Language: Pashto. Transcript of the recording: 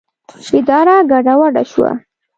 اداره ګډه وډه شوه.